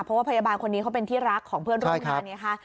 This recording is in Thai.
เพราะว่าพยาบาลคนนี้เขาเป็นที่รักของเพื่อนร่วมงานไงคะ